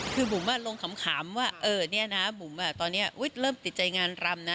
คือบุ๋มลงขำว่าบุ๋มตอนนี้เริ่มติดใจงานรำนะ